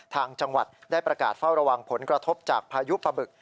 ทางจังหวัดได้ประกาศเฝ้าระวังผลกระทบจากพายุปะบึก